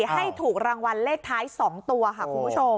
ให้ถูกรางวัลเลขท้าย๒ตัวค่ะคุณผู้ชม